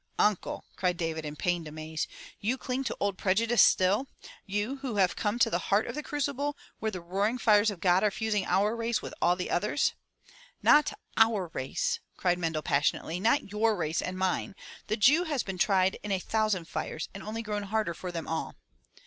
"Uncle," cried David in pained amaze. You cling to old prejudice still? You who have come to the heart of the Crucible where the roaring fires of God are fusing our race with all the others." "Not our race!" cried Mendel passionately. "Not your race and mine. The Jew has been tried in a thousand fires and only grown harder for them all."